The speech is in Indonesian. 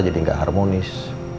jadi gak harmonis